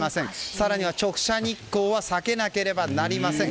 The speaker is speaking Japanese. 更には直射日光は避けなければなりません。